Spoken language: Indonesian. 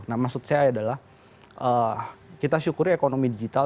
nah maksud saya adalah kita syukuri ekonomi digital